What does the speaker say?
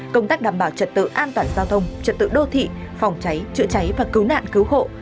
công tác đảm bảo trật tự an toàn giao thông trật tự đô thị phòng cháy chữa cháy và cứu nạn cứu hộ